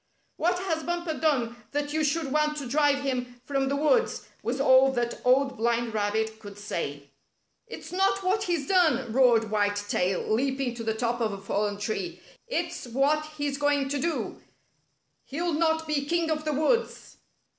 " What has Bumper done that you should want to drive him from the woods? " was all that Old Blind Rabbit could say. The Rabbits Rise Against Buinper 83 It's not what he's done," roared White Tail, leaping to the top of a fallen tree. " It's what he's going to do. lie'll not be king of the woods